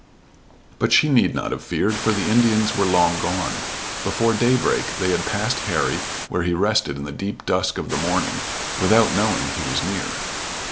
But she need not have feared, for the Indians were long gone. Before daybreak they had passed Harry where he rested in the deep dusk of the morning, without knowing he was near.